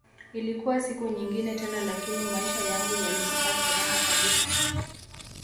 Ilikuwa siku nyingine tena lakini maisha yangu yalikosa furaha kabisa